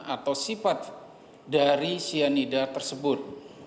atau sifat dari cyanida tersebut